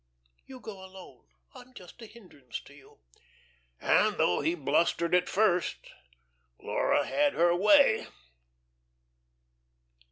You go alone. I'm just a hindrance to you." And though he blustered at first, Laura had her way.